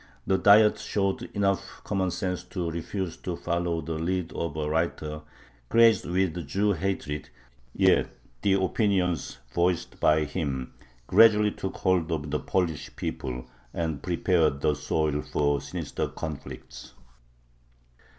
The Diet showed enough common sense to refuse to follow the lead of a writer crazed with Jew hatred; yet the opinions voiced by him gradually took hold of the Polish people, and prepared the soil for sinister conflicts.